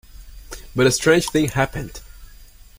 But a strange thing happened.